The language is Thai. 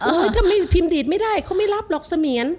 ถ้าไม่พิมพ์ดีดไม่ได้เขาไม่รับหรอกเสมียน